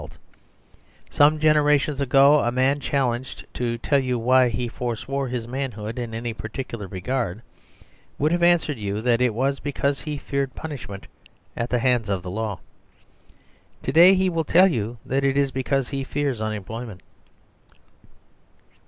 141 THE SERVILE STATE Some generations ago a man challenged to tell you why he forswore his manhood in any particular re gard would have answered you that it was because he feared punishment at the hands of the law ; to day he will tell you that it is because he fears unemploy ment.